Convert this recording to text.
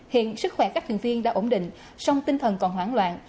hiện sức khỏe các thuyền viên đã ổn định song tinh thần còn hoảng loạn